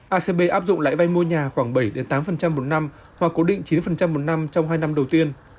acb áp dụng lãi vai mua nhà khoảng bảy tám một năm hoặc cố định chín năm một năm trong hai năm đầu tiên